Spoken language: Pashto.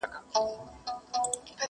په عزت یې وو دربار ته وربللی؛